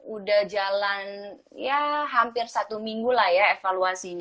udah jalan ya hampir satu minggu lah ya evaluasinya